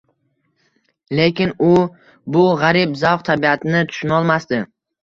lekin u bu g'arib zavq tabiatini tushunolmasdi.